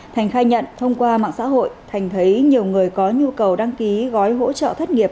thành khai nhận thông qua mạng xã hội thành thấy nhiều người có nhu cầu đăng ký gói hỗ trợ thất nghiệp